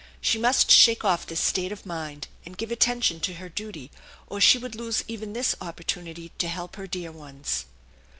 She must shake off this state of mind and give attention to her duty, or she would lose even this opportunity to help her dear ones.